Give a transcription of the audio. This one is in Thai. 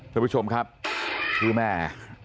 ท่านผู้ชมครับชื่อแม่